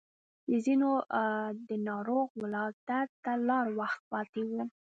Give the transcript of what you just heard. د ځينو د ناروغ ولادت ته لا وخت پاتې و.